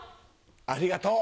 ありがとう。